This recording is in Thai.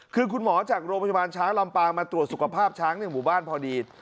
คือคุณหมอจากโรงพยาบาลช้างลำปางมาตรวจสุขภาพช้างในหมู่บ้านพอดี